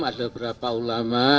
ada beberapa ulama